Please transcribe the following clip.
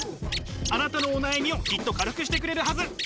あなたのお悩みをきっと軽くしてくれるはず。